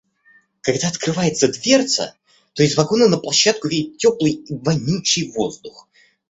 Когда открывается дверца, то из вагона на площадку веет теплый и вонючий воздух.